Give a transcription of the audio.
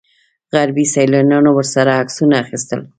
غربي سیلانیانو ورسره عکسونه اخیستل.